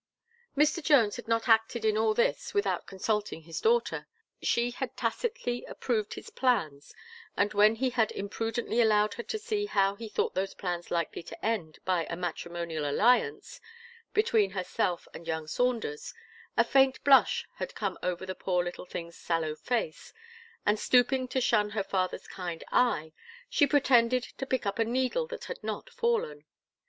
Mr. Jones had not acted in all this without consulting his daughter; she had tacitly approved his plans, and when he had imprudently allowed her to see how he thought those plans likely to end by a matrimonial alliance between herself and young Saunders, a faint blush had come over the poor little thing's sallow face, and stooping to shun her father's kind eye, she pretended to pick up a needle that had not fallen.